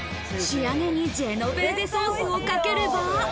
仕上げにジェノベーゼソースをかければ。